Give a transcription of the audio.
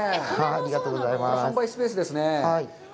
販売スペースですね。